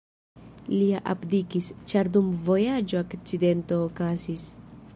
Lia abdikis, ĉar dum vojaĝo akcidento okazis.